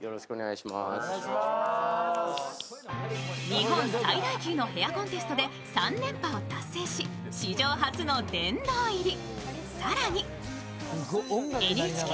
日本最大級のヘアコンテストで３連覇を達成し史上初の殿堂入り。